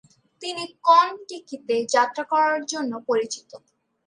তিনি 'কন্-টিকি'তে যাত্রা করার জন্য পরিচিত।